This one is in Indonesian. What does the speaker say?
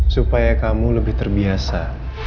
supaya kamu lebih terbiasa